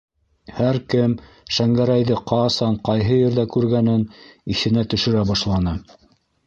- Һәр кем Шәңгәрәйҙе ҡасан, ҡайһы ерҙә күргәнен иҫенә төшөрә башланы.